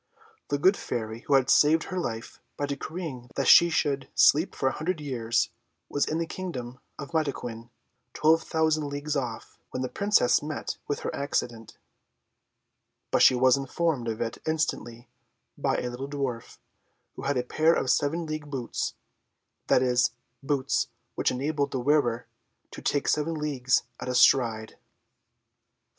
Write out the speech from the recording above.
The good Fairy who had saved her life, by decreeing that she should sleep for an hundred years, was in the Kingdom of Mataquin, twelve thousand leagues off, when the Princess met with her accident; but she was informed of it instantly by a little dwarf, who had a pair of seven league boots (that is, boots which enabled the wearer to take seven leagues at a stride).